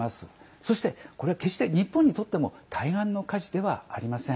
そして、これは決して日本にとっても対岸の火事ではありません。